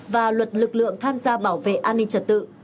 và luật lực lượng tham gia bảo vệ an ninh trật tự